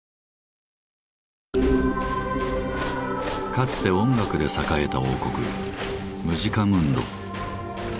かつて音楽で栄えた王国「ムジカムンド」。